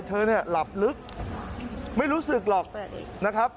เธอเนี่ยหลับลึกไม่รู้สึกหรอกนะครับ